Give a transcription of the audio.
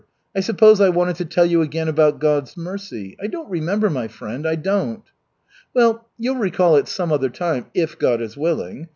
I suppose I wanted to tell you again about God's mercy. I don't remember, my friend, I don't." "Well, you'll recall it some other time, if God is willing.